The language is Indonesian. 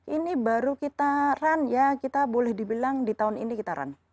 ini baru kita run ya kita boleh dibilang di tahun ini kita run